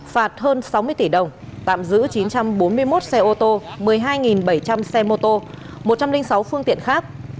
phạt hơn sáu mươi tỷ đồng tạm giữ chín trăm bốn mươi một xe ô tô một mươi hai bảy trăm linh xe mô tô một trăm linh sáu phương tiện khác